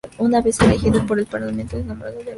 Una vez elegido por el Parlamento, es nombrado por el Rey.